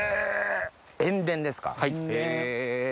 塩田ですかへぇ。